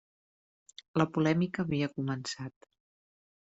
La polèmica havia començat.